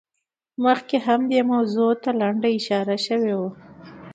مخکې هم دې موضوع ته لنډه اشاره شوې وه.